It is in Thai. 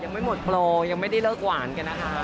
ยังไม่หมดโปรยังไม่ได้เลิกหวานกันนะคะ